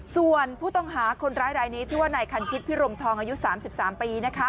ส่วนผู้ต้องหาคนร้ายรายนี้ชื่อว่านายคันชิตพิรมทองอายุ๓๓ปี